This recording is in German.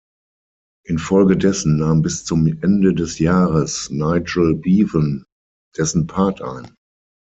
Infolgedessen nahm bis zum Ende des Jahres Nigel Beavan dessen Part ein.